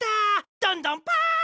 どんどんパン！